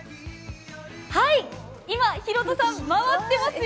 今、寛飛さん回ってますよ。